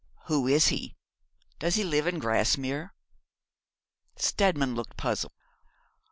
'Who is he? Does he live in Grasmere?' Steadman looked puzzled.